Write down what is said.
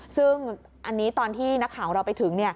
ซึ่งอันนี้ตอนที่นักข่าวของเราไปถึง